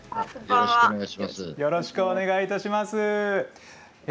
よろしくお願いします。